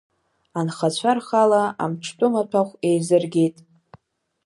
Анхацәа рхала амҿтәы маҭәахә еизыргеит.